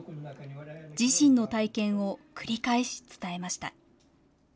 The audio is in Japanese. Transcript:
自身の体験を繰り返し伝えました。